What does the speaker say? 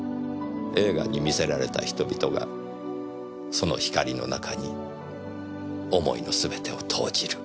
映画に魅せられた人々がその光の中に思いのすべてを投じる。